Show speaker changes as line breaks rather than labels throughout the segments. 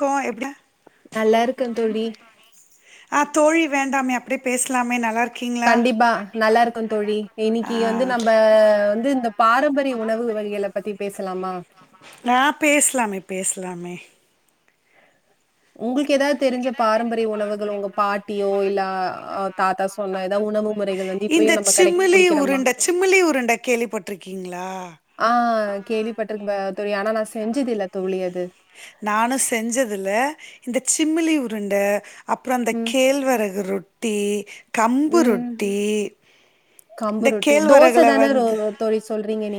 கோ எப்டி
நல்லா இருக்கே தோழி
ஆ தோழி வேண்டாமே அப்டியே பேசலாமே நல்லா இருக்கு
கண்டிப்பா நல்லா இருக்க தோழி இன்னைக்கு
ஆ
வந்து நம்ம வந்து இந்த பாரம்பரிய உணவு வகைகள பத்தி பேசலாமா
ஆ பேசலாமே பேசலாமே
உங்களுக்கு ஏதாவது தெரிஞ்ச பாரம்பரிய உணவுகள் உங்க பாட் ஏதாவது உணவு முறைகள் வந்து
இந்த
இப்பயும் நம்ம
சிமிளி
கடைபிடிக்கிறோமா?
உருண்ட சிமிளி உருண்ட கேள்விப்பட்டிருக்கீங்களா
ஆ கேள்விப்பட்ரும்ப தோழி ஆனா நா செஞ்சதில்ல தோழி அது
நானு செஞ்சதுல இந்த சிமிளி உருண்ட அப்றொ அந்த
ம்,
கேழ்வரகு ரொ ட்டீ
ம்.
கம்புரொட்டீ
கம்பு ரொட்டி தோச தான ரொ தோழி சொல்றீங்க நீ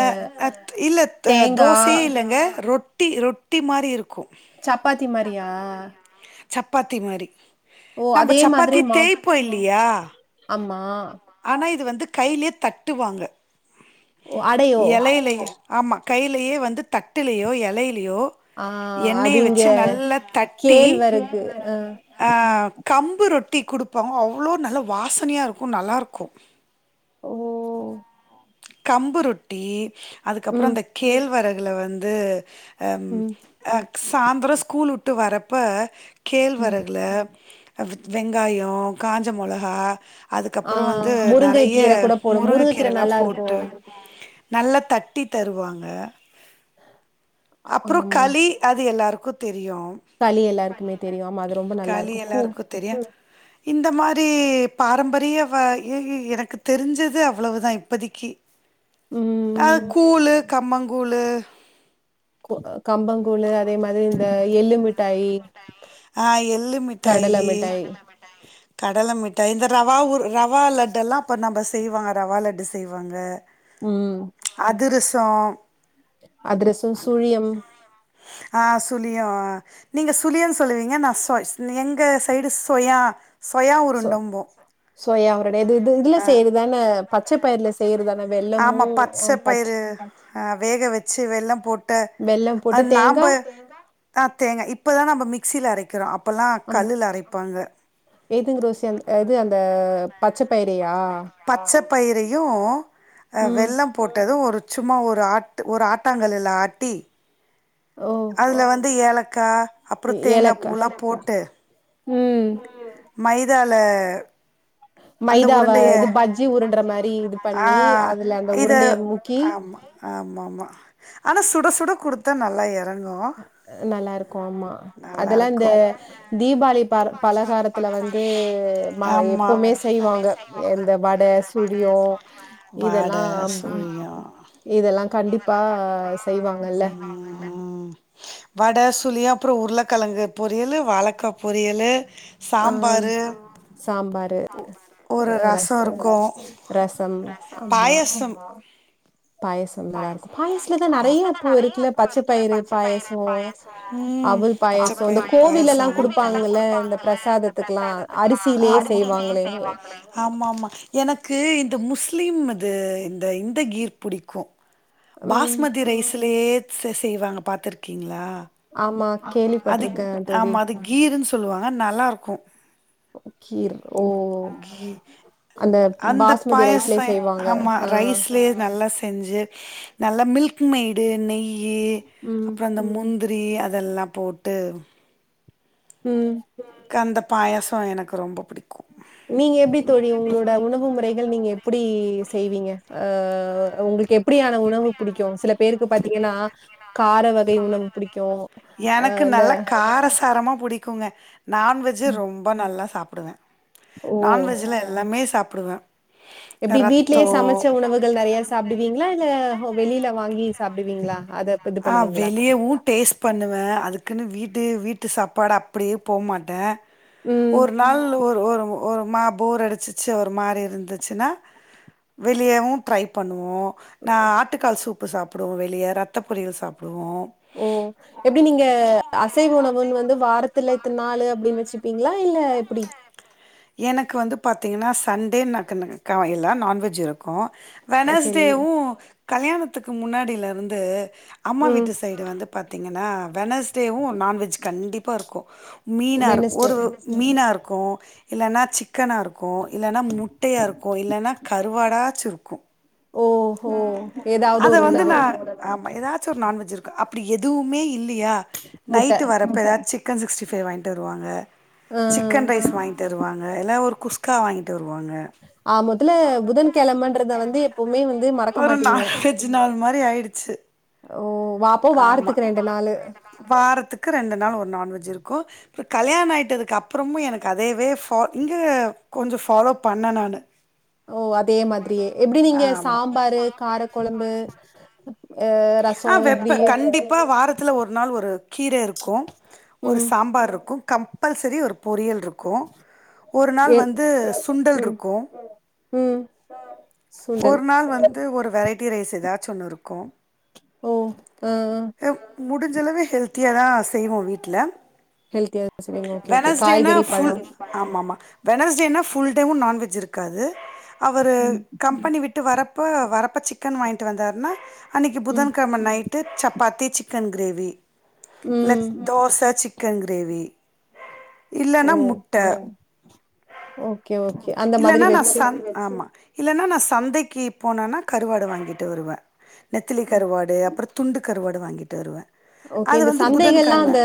அ அ இல்ல த
தேங்கா,
தோசயே இல்லங்க ரொட் டி ரொட்டி மாரி இருக்
சப்பாத்தி மாரியா
சப்பாத்தி மாரி
ஓ!
நம்ப
அதே மாதிரி
சப்பாத்தி தேய்ப்போ இல்லயா
ஆ
இது வந்து கைலயே தட்டுவாங்க
ஓ! அடையோ?
எலைலயெ ஆமா கைலயே வந்து தட்டுலயோ எலை லயோ
ஆ
எண்ணெய
அது இங்க
வச்சு நல்லா தட்டி
கேழ்வரகு ஆ
ஆ கம்பு ரொட்டி குடுப்போ அவ்ளோ நல்ல வாசனையா இருக் கு நல்லாருக்கு
ம்
கம்பு ரொட்டி அதுக்கப்ற
ம்
அந்த கேழ்வர குல வந்து அம்
ம்
அ சாந்தர ஸ்கூல் உட்டு வரப்ப
ம்
கேழ்வரகுல [unintelligible] வெங்காயொ காஞ்சமொளகா
ஆ
அதுக்கப்புறோ வந்து
முருங்கை
நறைய
கீர கூட போடு முருங்க கீர
முருங்கக்கீரலா
நல்லா இருக்கு
போட்டு நல்லா தட்டி தருவாங்க அப்றோ
ஆமாங்
களி அது எல்லாரு க்கு தெ ரியு
களி எல்லாருக்குமே தெரியு ஆமா அது ரொம்ப நல்லா
களி
இருக்கு கூ
எல்லாருக்கு தெரியு இந்த மாரி பாரம்பரிய வ எ எ எனக்கு தெரிஞ்சது அவ்வளவுதா இப்பதக்கி அ
ம்
கூழு கம்மங்கூலு
கோ க கம்பங்கூலு அதே மாதிரி ந்த எள்ளு மிட்டாயி
ஆ
கடல
எள்ளுமிட்டாயி
மிட்டாய்
கடலமிட்டாயி கடல மிட் ட்ட இந்த ரவா உரு ரவா லட்டெல்லா இப்போ நம்ப செய்வாங்க ரவா லட்டு செய்வாங்க அதுரஸ் தோ
அதுரசம் சூழியம்
ஆ சுலியம் நீங்க சுலியன்ஸ் சொல்லுவீங்க நா ஸ்சொ எங்க சைடு ஸ்சொயா சொயா
சோ
உருண்டம்போ
சோயா உருண்ட இது இது இதுல செய்யறதான பச்ச பயிர்ல செய்யறதான வெல்லமு
ஆமா
பச்ச
பச்சைப்பயரு வேக வச்சு வெள்ள போட்டு
வெல்லம்
அத
போட்டு
நாம்ப
தேங்கா
தேங்கா இப்பதா நா சியில அரைக்கிறோ அப்போலா கல்லுல அரைப் பாங்க
ஏதுங்க ரோசி அந்த இது அந்த பச்சபயிரையா
பச்சப் பயிரயு ஆ
ம்.
வெள்ளம் போட்டது ஒரு சும்மா ஒரு ஆட் ஒரு ஆட்டாங்கல்ல ஆட்டி
ஓ!
அதுல வந்து ஏலக்கா அப்றோ தேங்கா
ஏலக்கா.
பூலா போட்டு ம் மைதா ல
மைதாவ இது பஜ்ஜி உருண்டற மாரி இது
ஆ
பண்ணி அதுல அந்த
இத
உருண்டைய முக்கி
ஆமா ஆமாமா ஆனா சுட சுட குடுத்தா நல்லா இறங்
நல்லா இருக்கு ஆமா அதெல்லா இந்த
நல்லாருக்கு
தீபாளி ப பலகாரத்துல வந்து மா
ஆமா
எப்போமே செய் செய்வாங்க இந்த வட சுழியு
வட
இதெல்லாம்
சுழியு
இதெல்லா கண்டிப்பா செய்வாங்கல்ல
ம் வட சுழியு அப்புறோ உருளக்கிழங்கு பொரியலு வாழக்கா பொரியலு
ஆம்.
சாம்பார்
சாம்பாரு,
சா ஒரு ரசம் இருக்கு
ரசம். ஆமா.
பாயசம்
பாயாசம்
பயசோ
நல்லாருக்கும்.
ம்
பாயாசத்துல தான் நெறைய
பயாத்துல
இப்போ
நெறைய
இருக்குல்ல.
இப்ப
பச்சை
இருக்குல்ல
பயிறு
பச்சைப்பயறு
பாயாசம், அவல் பாயாசம், இந்த கோவில்லலாம்
பாயசம்விலா
குடுப்பாங்கல்ல, இந்த
குடுப்பாங்கல்ல இந்த
பிரசாதத்துக்கலாம்.
பிரசாதத்துக்கெல்லா
அரிசியிலேயே
அரிசிலே
செய்வாங்களே!
செய்வா ஆமா மா எனக்கு இ ந்த முஸ்லிம்து இந்த இந்த கீர் புடிக்கு
ம்.
பாஸ்மதி ரைஸில் ப்டியே செ செய்வாங்க பாத்ர்க்கீங்களா
ஆமா.
அது
கேள்விப்பட்டுருக்கேன் தோழி.
ஆமா அது கீர்ன்னு சொ சொல்லுவாங்க நல்லாருக்கு
கீர் ஓ!
கீ
அந்த
அந்த
பாஸ்மதி ரைஸ்லே
பாயசை
செய்வாங்க.
ஆமா
ஆ.
ரைஸ்லயே நல்லா செஞ்சு நல்ல மில்க் மெய்டு நெய் ய்
ம்.
அப்புறோ அந்த முந்திர் ரி அதெல்லா போட்டு
ம்
கஅந்த பாயசோ எனக்கு ரொம்ப பிடிக்
நீங்க எப்டி தோழி உங்களோட உணவு முறைகள் நீங்க எப்டி ஸ் செய்வீங்க ஆ உங்களுக்கு எப்படியான உணவு புடிக்கு சில பேருக்கு பாத்தீங்கன்னா கார வகை உணவு புடிக்
எனக்கு நல்ல காரசாரமா புடிக்குங்க நான்வெஜ்
ம்.
ரொம்ப நல்லா சாப் டுவே நான்வெஜ்ல எல்லாமே சாப் ப்புறுவே
எப்டி வீட்லேயே சமைச்ச உணவுகள் நெறைய சாப்பிடுவீங்களா இல்ல வெளியில வாங்கி சாப்பிடுவீங்களா அத இது பண்ணுவீங்களா
அப்ப அதுக்குன்னு வீட்டு வீட்டு சாப்பாடு அப்படியே போமாட்டே
ம்.
ஒரு நாள் ஒரு ஒரு ஒரு மா போர் அடிச்சிச்சு ஒரு மாரி இருந்துச்சுனா வெளியவு ட்ரை பண்வோ நா ஆட்டுக்கால் சூப் இப்ப சாப்புடுவோ வெளிய ரத்த பொரியள் சாப்பிடுவோ
ஓ எப்டி நீங்க அசைவு உணவுன்னு வந்து வாரத்தில் நெத்துநாலு அப்டின்னு வச்சுப்பீங்களா இல்ல எப்டி
எனக்கு வந்து பார்த்தீங்கன்னா சண்டே நகு கவல இல்ல நான்வெஜ் இருக்கு
அ சரி.
வெனஸ்டேவு கல்யாணத்துக்கு முன்னாடியிலருந்து அம்மா
ம்.
வீட்டு சைடு வந்து பார்த்தீங்கன்னா வெனஸ்டேவு நான்வெஜ் கண்டிப்பா இருக்கு மீனார்
வெட்னஸ்டே.
ஒரு மீனார் கோ இல்லன்னா சிக்கனா இருக்கு இல்லன்னா முட்டையா இருக்கு இல்லன்னா கருவாடாச்சு இருக்கு
ஓஹோ! ஏதாவது
அத
ஒரு
வந்து
உணவு.
நா ஆமா ஏதாச்சு ஒரு நான்வெஜ் இருக்கு அப் ப்டி எதுவுமே இல் இல்லியா
முட்டை.
நைட்டு வரப்ப ஏதாச்சு சிக்கன் சிக்ஸ்டி ஃபை வாங்கிட்டருவாங்க
ஆ.
சிக்கன் ரைஸ் வாங்கிட்டருவாங் க எல்லா ஒரு குஸ்கா வாங்கிட்டு வ
ஆமொத்துல்ல புதன்கெழமன்றத வந்து எப்பவ்மே
ஒரு நான்வெஜ்ஜு நாள் மாரி ஆயிடுச்சு
ஓ! வா அப்போ
ஆமா
வாரத்துக்கு நாளு.
வாரத்துக்கு ரெண்டு நாள் ஒரு நான்வெஜு இருக்கு அப்ற கல்யாண ஆயிட்டதுக்கப்றமு எனக்கு அதேவே ஃபா இங்க கொஞ்ச ஃபாலோ பண்ணெ நானு
ஓ அதே மாதிரியே எப்டி நீங்க சாம்பாரு கார கொழம்பு
ஆ வெப்ப கண்டிப்பா வாரத்துல ஒரு நாள் ஒரு கீர இருக்கு ஒரு
ம்.
சாம்பார்ருக்கு கம்பல்சரி ஒரு பொியல்ரு க்கு ஒரு நாள்
எ
வந்து
ம்
சுண்டல்ருக்கு
ம் சுண்டல்
ஒரு நாள் வந் து ஒரு வெரைட்டி ரைஸ் எதாச்சு ஒன்னு இருக்கு
ஓ ஆ ஆ
முடுஞ்சளவு ஹெல் த்தியா தா செய்வோ வீட்ல
ஹெல்த்தியா செய்வீங்க ஓகே ஓகே
வெனஸ்டேனா
காய்கறி பழோ
ஃபுல் ஆமாமா வெனஸ்டேனா ஃபுல் டேவு நான் வெஜ் இருக்காது அவரு
ம்
கம்பெனி விட்டு வரப்ப வரப் ப சிக்கன் வாங்கிட்டு வந்தாருன்னா அன்னைக்கு
ம்
புதன்கழம night chapati chicken gravy இல்ல
ம்
தோச சிக் கன் கிரேவி
ஓ
இல்லன்னா முட்ட
ஓகே ஓகே அந்த மாதிரி
இல்லனா நா
வெச்சு
சந் ஆமா இல்லன்னா நா சந்தக்கி போனனா கருவாடு வாங்கிட்டு வருவே நெத்திலி கருவாடு அப்பறத் துண்டு கருவாடு வாங்கிட்டு வருவே
ஓகே
அது
இந்த
வந்து
சந்தைகள்லா
புதன்கிழம
அந்த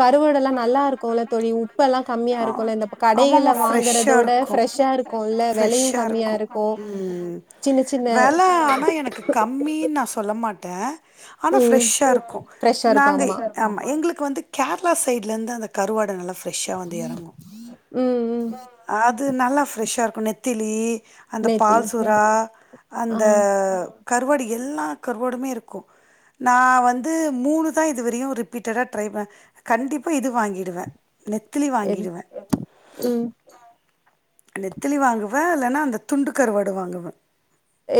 கருவாடுல்லா நல்லாருக்கூல தோழி உப்பல்லா கம்மியா
ஆ
இருக்குல்ல இந்த இப்ப
ஆமாம்மா
கடையில
ஃப்ரெஷ்ஷா
வாங்குறதோட
இருக்கு
ஃப்ரெஷ்ஷா இருக்குல்ல வெலயு
ஃப்ரெஷ்ஷா
கம்மியா இருக்கு
ம்
சின்ன சின்ன
மீ நா சொல்ல மாட்டே ஆனா
ம்
ஃப்ரெஷ்ஷா இருக்கு
ஃப்ரெஷ்ஷா இருக்கு
நாங்க ஆமா எங்ளுக்கு வந்து கேரளா சைட்லந்து அந்த கருவாடு நல்லா ஃப்ரெஷ்ஷா வந்து எறங்கு
ம்ம்ம்
அது நல்லா ப்ரெஷ்ஷா இருக்குநெத்திலி அந்த
நெத்திலி
பால்சுறா
ஆ
அந்த கருவாடு எல்லா கருவாடுமே இருக்கு நா வந்து மூணு தா இதுவரையு ரிப்பீட்டடா ட்ரை பகண்டிப்பா இது வாங்கிடுவே நெத்திலி
எது
வாங்கிடுவே
ம்
நெத்திலி வாங்கு வே இல்லனா அந்த துண்டு கருவாடுவாங்குவ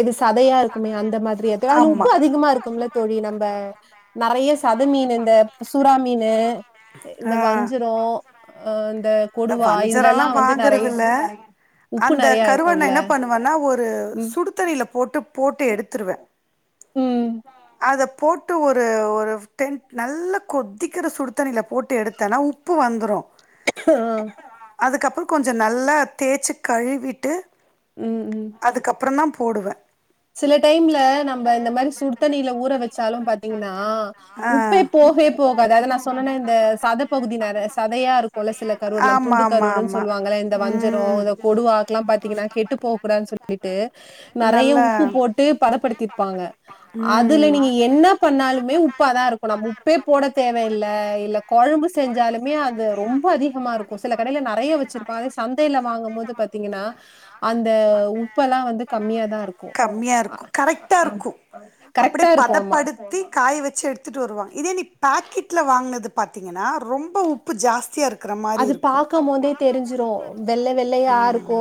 இது சதையா இருக்கு அந்த மாதிரி ஏதா அதுல
ஆமா
உப்பு அதிகமா இருக்கும்ல தோழி நம்ப நறையா சத மீன் இந்த சுறாமி மீனு இந்த வஞ்சிரோ அ கொடுவா
வஞ்சரோல்லா
இதுலல்லா வந்து நெறைய
வாங்குறதில்ல
உப்பு
அந்த
நெறையா
கருவண்ண
இருக்குல்ல
என்ன பண்ணுவேன்னா ஒரு
ம்
சுடுதண்ணில போட்டு போட்டு எடுத்துருவே
ம்
அத போட்டு ஒரு ஒரு டென்ட் நல்லா கொதிக்கிற சுடுதண்ணில போட்டு எடுத்தேனா உப்பு வந்துரு
ஓ
அதுகப்றோ கொஞ்ச நல்லா தேய்ச்சி கழுவிட்டு
ம் ம்
அதுகப்றந்தா போடுவே
சில டைம்ல நம்ம இந்த மாரி சுடுதண்ணில ஊற வச்சாலு பாத்திங்கனா உப்பே
ஆ
போகவே போகாது அது நா சொன்னனே இந்த சதபகுதி நெரயா சதையா இருக்கும்ல சில கருவாடுலா
ஆமா
துண்டு
ஆமா
கருவாடுனு
ஆமா
சொல்லுவாங்கள்ள இந்த வஞ்சரோ
ம்
இந்த கொடுவாக்கலா பாத்தீங்கன்னா கெட்டு போக கூடாது சொல்லிட்டு நெறையா
நல்லா
உ ப்பு போட்டு பதபடுத்திருப்பாங்க அதுல
ம்
நீங்க என்ன பண்ணாலுமே உப்புதாருக்கு நம்ம உப்பே போட தேவயி இல்ல இல்ல கொழம்பு செஞ்சாலு மெயு அது ரொம்ப அதிகமா இருக்கு சில கடையில நெறையா வச்சிருப்பா அதே சந்தையில வாங்கும்போது ப்ப பாத்திங்கனா அந்த உப்பெல்லா வந்து கம்மியாதாருக்கு
கம்மியாருக்கு கரெட்டாருக்கு அப்டியே
கரெக்ட்டா இருக்கும். ஆமா.
பதபடுத்தி காயவச்சி எடுத்துட்டுவருவா இதே நீ பேக்கெட்ல வாங்குனது பாத்திங்கனா ரொம்ப உப்பு ஜாஸ்தியா இருக்
அது பாக்கம்போதே தெரிஞ்சிரு வெல்ல வெள்ளையாருக்கு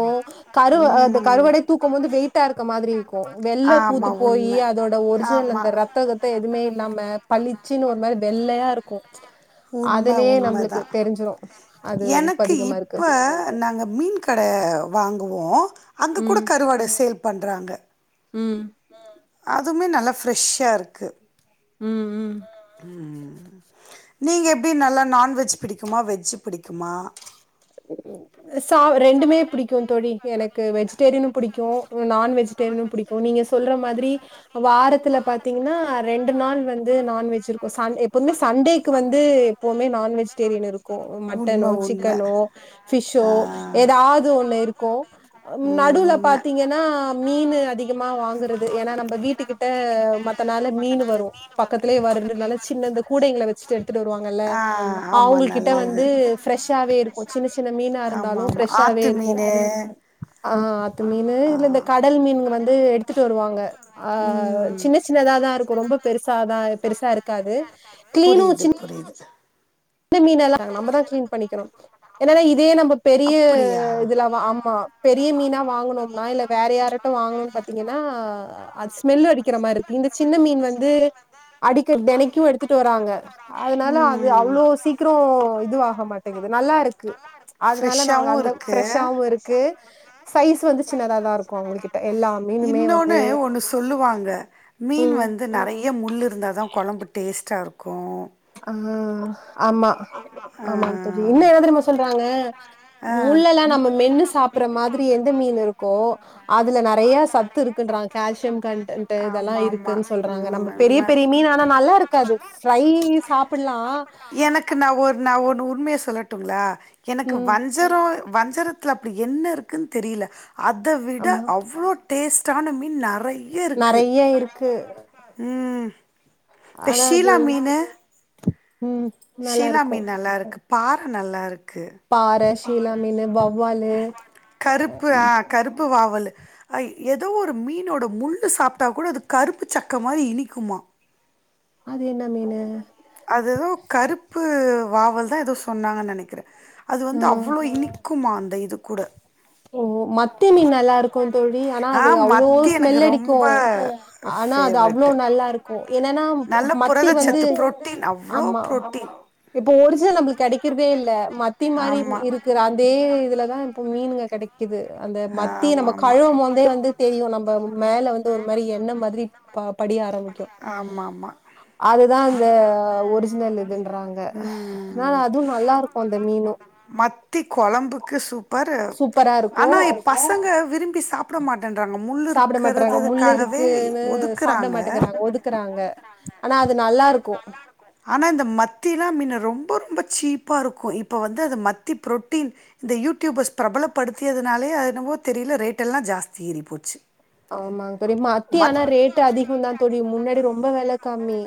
கரு கு அது
ம்
கருவாடே தூக்கம் போதே வெய்ட்டாஇருக்க மாதிரிஇருக்கு வெள்ள
ஆமா
பூத்து போயி
உண்ம
அதோட ஒரிஜனல்
ஆமா
அந்த ரத்தகத்த எதுமே இல்லாம பலிச்சினு ஒரிமாரி து பெள்ளயாயிருக்கு
உண்ம உண்ம
அதுலயே நம்ளுக்கு
உண்மதா
தெரிஞ்சிரு
எனக்கு இப்ப நாங்க மீன் கட வாங்கு குவோ அங்க கூட
ம்,
கருவாட செயேல் பண்றாங்க
ம்
ம் அதுமே நல்லா ஃப்ரெஷ்ஷாயிருக்கு
ம் ம்
ம் நீங்கயிப்டி நல்லா நான்வெஜ் பிடிக்குமா வெஜ் புடிகுமா
சா ரெண்டுமே புடிக்கு நான் வெஜிடேரியனுபிடிக்கு நீங்க சொல்ற மாதிரி வாரத்துல பாத்திங்கனா ரெண்டு நாள் வந்து நான்வெஜ்யிருக் ச எப்பதுமே சண்டேக்கு வந்து எப்போவுமே நான் வெஜிடேரியன் இருக்கு
உண்ம
மட்டனோ
உண்ம
சிக்கனோ பபிஷ்சோ
ஆ
ஏதாவது ஒண்ணு இருக்கு
ம்
நடுல
உண்ம.
பாத்தீங்கன்னா மீன்னு அதிகமா வாங்குறது ஏன்னா நம்ம வீட்டு கிட்ட மத்தனால மீன் வரு பக்கத்திலயே வருதுனால சின் கூடங்கள வச்சுட்டு எடுத்துட்டு வருவாங்கல்ல
ஆ
அவங்க கிட்ட வந்து ரெஷ்ஷாவே இரு
ஆமா ஆமா ஆத்து
இருக்கும்.
மீனு
ஆ அத்து மீனு இல்ல இந்த கடல் மீனுங்க வந் ந்து எடுத்துட்டு வருவாங்க ஆ
ம்
சின்ன சின்னதா தா இருக்கு ரொம்ப பெருஷ் சாதா பெருசா இருக்காது
புரியிது புரியிது
ந்த மீன்ல்லா நம்மதா கிளீன் பண்ணிக்கணு ஏனன்னா இதே நம்ம பெரிய
அப்டியா
இதுல ஆமா பெரிய மீனா வாங்கனும்னா இல்ல வேற யாரிட்டும் வாங்கணும்னு பாத்தீங்கன்னா அ ஸ்மெல்ல அடிக்கிற மாரி இருக்கு இந்த சின்ன மீன் வந்து அடிக்க தெனைக்கு எடுத்துட்டு வராங்க அதனால அது அவ்ளோ க்ரோ இதுவாக மாட்டேங்குது நல்லா இருக்கு அதனால நாங்க
ஃப்ரெஷ்ஷாவு
அந்த
இருக்கு
ஃப்ரெஷஷாவு இருக்கு சைஸ் வந்து சின்னதாதா இருக்கும் அவங்ககிட்ட எல்லா மீனுமே வந்து
இன்னொன்னு ஒன்னு சொல்லுவாங்க மீன்
ம்
வந்து நெறைய முள் இருந்தா தா கொழம்பு டேஸ்ட்டா இருக்கு
ஆ ஆமா
ஆ
ஆமா தோழி இன்னு என்ன தெரியுமா சொல்றாங்க க
ஆ
முள்ளல்லா நம்ம மென்னு சாப்பற மாதிரி எந்த மீன் இருக்கோ அதுல நெறைய சத்து இருக்குன்றாங்க கால்சியம் கன்ன்ட் இதெல்லா
ஆமா ஆமா
இருக்குன்னு சொல்றாங்க
ம்
நம்ம பெரிய
உண்ம
பெரிய மீன் ஆனா நல்லா இருக்காது ஃப்ரை சாப்பலா
னு உண்மையா சொல்லட்டுங்களா எனக்கு வஞ்சரோ வஞ்சரத்துல அப்டி என்ன இருக்குனு தெரியல அத விட
ஆமா.
அவ்ளோ டேஸ்ட்டான மீன் நெறையா யாஇருக்கு
நெறைய இருக்கு.
உ இந்த
ஆனா அது
ஷீலா மீனு
ம்.
ஷீலா
நல்லாருக்கும்.
மீன் நல்லாருக் க்கு பாற நல்லாருக்
பாற ஷீலா மீனு வவ்வாலு அ
அய் ஏதோ ஒரு மீனோட முள்ளு சாப்ட்டா கூட அது கருப்பு சக்க மாரி இனிக்குமா
அது என்ன மீனு?
அதேதோ கருப்பு வாவல்தா எதோ சொன்னாங்கனு நெனக்கிறே அது வந்து
ம்.
அவ்ளோ இனிக்குமா அந்த இது கூட
ஓ மத்தி மீன் நல்லாருக்கு தோழி ஆனா
ஆ
அது அவ்ளோ
மத்தி எனக்கு
ஸ்மெல் அடிக்கு
ரொம்ப
ஆனா அது அவ்ளோ
ஃபேவரெட்டு
நல்லாருக்கு என்னன்னா
நல்ல
மத்தி வந்து
புரதச்சத்து புரோட்டீன் அவ்வளோ
ஆமா
புரோட்டீன்
இப்போ ஒரிஜினல் நம்மளுக்கு கெடைக்கிறதே இல்ல மத்தி மாரி
ஆமா
இருக்குற அதே இதுலதா இப்போ மீனுங்க க்குது அந்த மத்தி
ஆமா
நம்ம
ஆமா
கழுவம்போதே வந்து தெரியு நம்ம மேல வந்து ஒரு மாரி எண்ண மாதிரி ப படிய ஆரம்பிக்கு
ஆமா ஆமா
அதுதா அந்த ஒரிஜினல் இதுன்றாங்க ஆனால
ம்
அதுவு நல்லாருக்கு அந்த மீனு
மத்தி கொழம்புக்கு சூப்பர்
சூப்பராருக்கு
ஆனா பசங்க விரும்பி சாப் சாப்ட மாட்டேன்றாங்க முள்
சாப்பிட மாட்றாங்க. முள்ளு
இருக்கிறதுக்காகவே
இருக்குன்னு சாப்பிட
ஒதுக்குறாங்க
மாட்டேங்கிறாங்க. ஒதுக்குறாங்க. ஆனா அது நல்லா இருக்கு
ஆனா இந்த மத்திலா மின்ன ரொம்ப ரொம்ப சீப்பா இருக்கு இப்ப வந்து அது மத்தி புரோட்டீன் இந்த யூடியூபர்ஸ் பிரபலப்படுத்தியதுனாலயே அது என்னவோ தெரியல ரேட் எல்லா ஜாஸ்தி ஏறி போச்சு
ஆமாங்க தெரிய மத்தி ஆனா
மத்
ரேட்டு் அதிகம்தா தோழி முன்னாடி ரொம்ப வெளக்கம்மி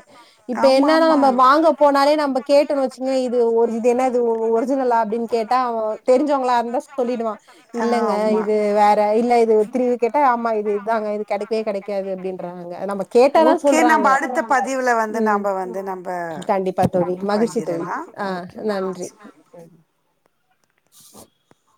இப்ப
ஆமா
என்னன்னா
ஆமா
நம்ம வாங்க போனாலே நம்ம கேட்டணு வச்சுங்கோங்க இது ஒரு இது என்ன இது ஒரிஜினலா அப்டின்னு கேட்டு தா அவ்ங்க தெரிஞ்சவங்களா இருந்தா சொல்லிடுவா இல்லங்க
ஆமா
இது வேற இல்ல இது திரிவு கேட்ட ஆமா இதாங்க இது கெடைக்கவே கெடைக்காது அப்டின்றாங்கங்க நம்ம கேட்டதா
ஓகே
சொல்றாங்க
நம்ம அடுத்த பதிவுல வந்து
உ
நாம வந்து நம்ம
கண்டிப்பா தோழி மகிழ்ச்சி தோழி
பகிரலாம்
ஆ
ஓகே மகிழ்ச்சி
நன்றி [inaudible]